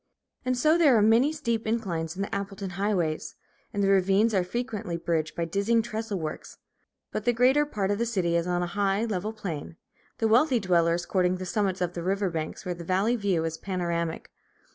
And so there are many steep inclines in the Appleton highways, and the ravines are frequently bridged by dizzy trestle works; but the greater part of the city is on a high, level plain, the wealthy dwellers courting the summits of the river banks, where the valley view is panoramic.